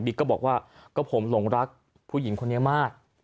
ก็บอกว่าก็ผมหลงรักผู้หญิงคนนี้มาก